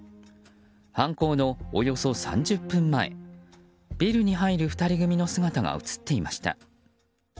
犯行のおよそ３０分前ビルに入る２人組の姿が映っていました。